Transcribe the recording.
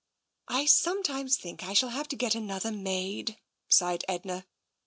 " I sometimes think that I shall have to get another maid," sighed Edna.